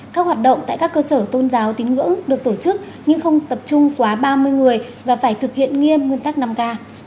các hoạt động tại các cơ sở tôn giáo tín ngưỡng được tổ chức nhưng không tập trung quá ba mươi người và phải thực hiện nghiêm nguyên tắc năm k